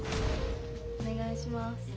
おねがいします。